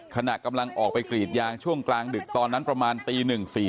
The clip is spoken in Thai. ขณะกำลังออกไปกรีดยางช่วงกลางดึกตอนนั้นประมาณตี๑๔